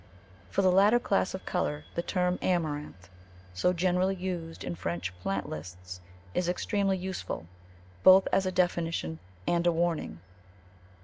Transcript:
For the latter class of colour the term amaranth, so generally used in French plant lists, is extremely useful, both as a definition and a warning.